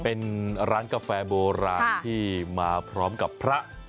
เป็นร้านกาแฟโบราณที่มาพร้อมกับพระ